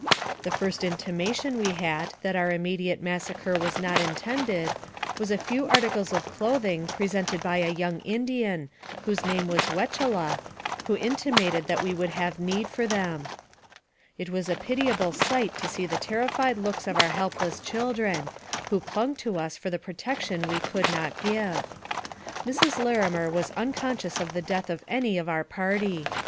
The first intimation we had that our immediate mas sacre was not intended, was a few articles of clothing presented by a young Indian, whose name was Wechela, who intimated that we would have need for them. 40 NARRATIVE OF CAPTIVITY It was a pitiable sight to see the terrified looks of our helpless children, who clung to us for the protec tion we could not give. Mrs. Larimer was uncon scious of the death of any of our party.